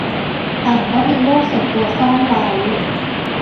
ต่างก็มีโลกส่วนตัวซ่อนไว้